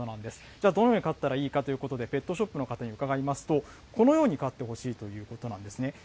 じゃあ、どのように飼ったらいいかということで、ペットショップの方に伺いますと、このように飼ってほしいということなんですね。